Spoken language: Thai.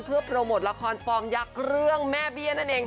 เพื่อโปรโมทละครฟอร์มยักษ์เรื่องแม่เบี้ยนั่นเอง